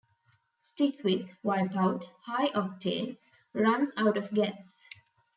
Stick with "Wipeout" - "Hi-Octane" runs out of gas.